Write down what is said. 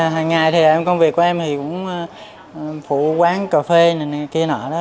hằng ngày thì em công việc của em thì cũng phụ quán cà phê này kia nọ đó